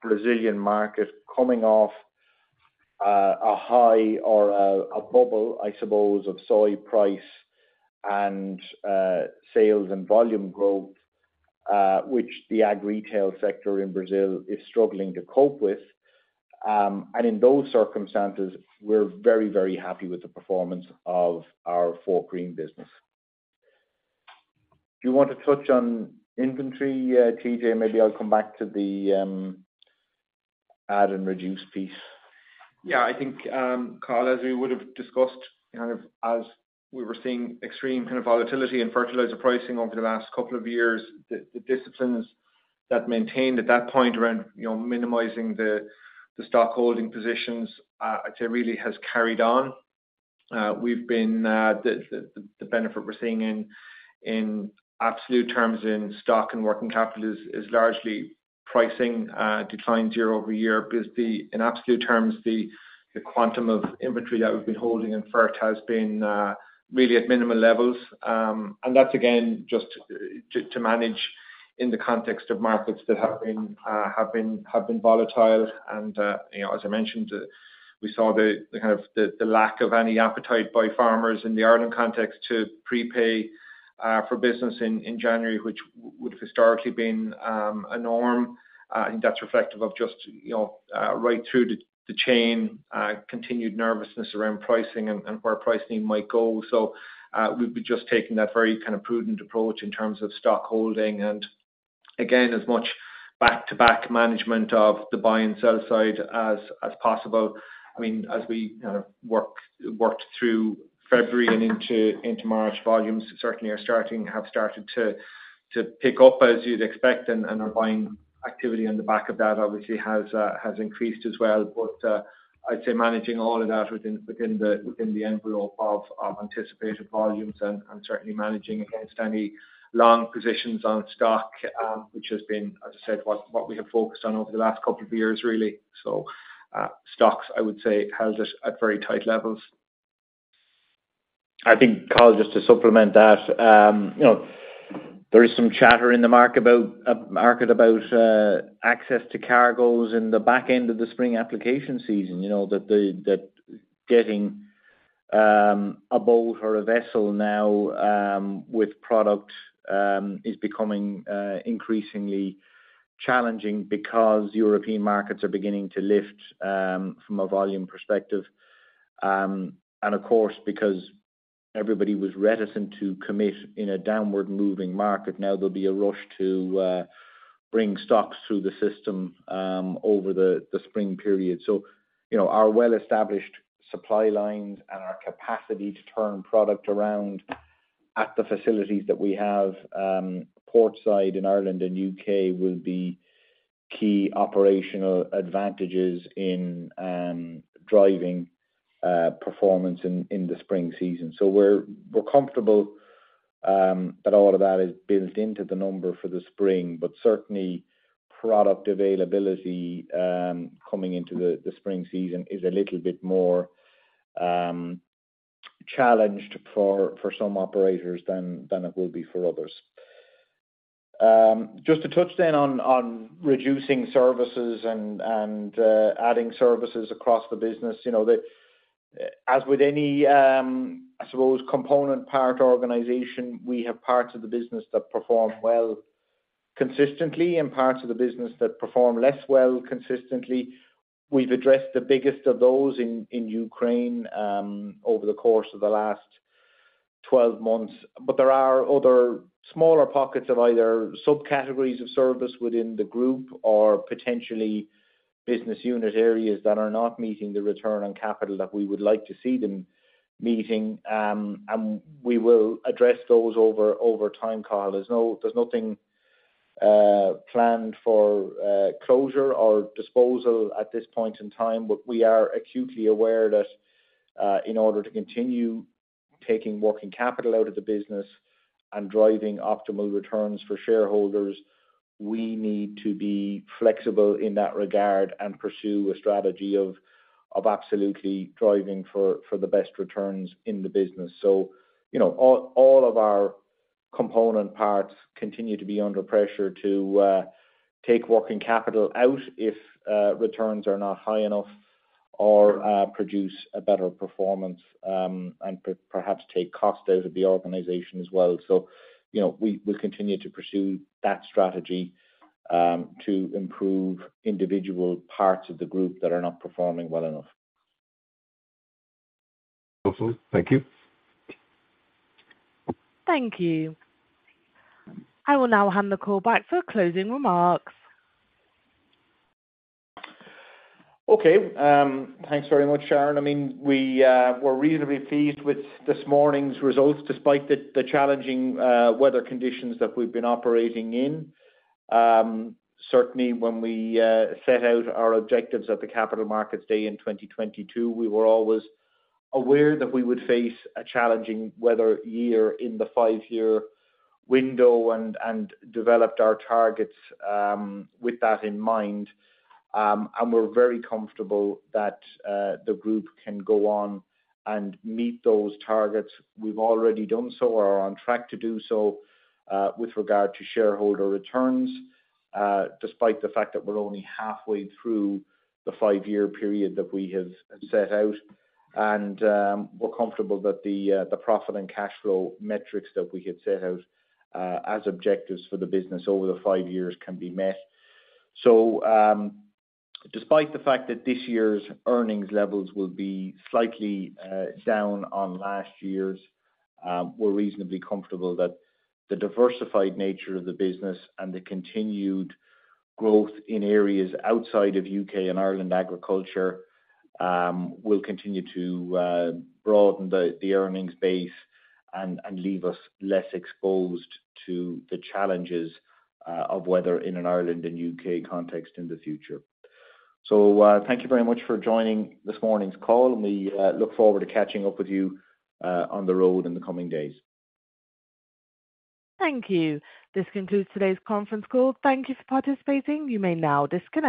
Speaker 2: Brazilian market coming off a high or a bubble, I suppose, of soy price and sales and volume growth, which the ag retail sector in Brazil is struggling to cope with. And in those circumstances, we're very, very happy with the performance of our Fortgreen business. Do you want to touch on inventory, TJ? Maybe I'll come back to the add and reduce piece.
Speaker 3: Yeah. I think, Carl, as we would have discussed, kind of as we were seeing extreme kind of volatility in fertilizer pricing over the last couple of years, the disciplines that we maintained at that point around, you know, minimizing the stockholding positions, I'd say really has carried on. We've been seeing the benefit we're seeing in absolute terms in stock and working capital is largely pricing declined year-over-year. Because in absolute terms, the quantum of inventory that we've been holding in FERT has been really at minimal levels. And that's, again, just to manage in the context of markets that have been volatile. You know, as I mentioned, we saw the kind of lack of any appetite by farmers in the Ireland context to prepay for business in January, which would have historically been a norm. I think that's reflective of just, you know, right through the chain, continued nervousness around pricing and where pricing might go. So, we've been just taking that very kind of prudent approach in terms of stockholding and, again, as much back-to-back management of the buy and sell side as possible. I mean, as we kind of worked through February and into March, volumes certainly have started to pick up as you'd expect. Our buying activity on the back of that obviously has increased as well. But I'd say managing all of that within the envelope of anticipated volumes and certainly managing against any long positions on stock, which has been, as I said, what we have focused on over the last couple of years, really. So stocks, I would say, held at very tight levels. I think, Cathal, just to supplement that, you know, there is some chatter in the market about access to cargoes in the back end of the spring application season. You know, that getting a boat or a vessel now, with product, is becoming increasingly challenging because European markets are beginning to lift from a volume perspective. And of course, because everybody was reticent to commit in a downward-moving market, now there'll be a rush to bring stocks through the system over the spring period. So, you know, our well-established supply lines and our capacity to turn product around at the facilities that we have, port side in Ireland and UK, will be key operational advantages in driving performance in the spring season. So we're comfortable that all of that is built into the number for the spring. But certainly, product availability coming into the spring season is a little bit more challenged for some operators than it will be for others. Just to touch then on reducing services and adding services across the business. You know, as with any, I suppose, component part organization, we have parts of the business that perform well consistently and parts of the business that perform less well consistently. We've addressed the biggest of those in Ukraine over the course of the last 12 months. But there are other smaller pockets of either subcategories of service within the group or potentially business unit areas that are not meeting the return on capital that we would like to see them meeting. We will address those over time, Carl. There's nothing planned for closure or disposal at this point in time. But we are acutely aware that, in order to continue taking working capital out of the business and driving optimal returns for shareholders, we need to be flexible in that regard and pursue a strategy of absolutely driving for the best returns in the business. So, you know, all of our component parts continue to be under pressure to take working capital out if returns are not high enough or produce a better performance, and perhaps take cost out of the organization as well. So, you know, we continue to pursue that strategy, to improve individual parts of the group that are not performing well enough.
Speaker 8: Awesome. Thank you.
Speaker 1: Thank you. I will now hand the call back for closing remarks.
Speaker 2: Okay. Thanks very much, Sharon. I mean, we were reasonably pleased with this morning's results despite the challenging weather conditions that we've been operating in. Certainly, when we set out our objectives at the Capital Markets Day in 2022, we were always aware that we would face a challenging weather year in the five-year window and developed our targets with that in mind. And we're very comfortable that the group can go on and meet those targets. We've already done so or are on track to do so, with regard to shareholder returns, despite the fact that we're only halfway through the five-year period that we have set out. We're comfortable that the profit and cash flow metrics that we had set out as objectives for the business over the five years can be met. So, despite the fact that this year's earnings levels will be slightly down on last year's, we're reasonably comfortable that the diversified nature of the business and the continued growth in areas outside of UK and Ireland agriculture will continue to broaden the earnings base and leave us less exposed to the challenges of weather in an Ireland and UK context in the future. So, thank you very much for joining this morning's call. We look forward to catching up with you on the road in the coming days.
Speaker 1: Thank you. This concludes today's conference call. Thank you for participating. You may now disconnect.